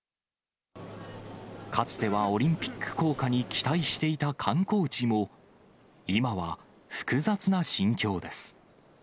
かつてはオリンピック効果に期待していた観光地も、今は複雑な心境です。